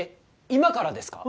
今からですか？